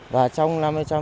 và trong năm trăm một mươi